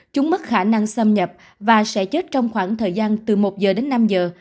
chúng mất khả năng xâm nhập và sẽ chết trong khoảng thời gian từ một giờ đến năm giờ